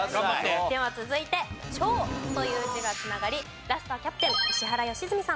では続いて「調」という字が繋がりラストはキャプテン石原良純さん。